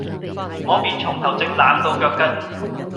我便從頭直冷到腳跟，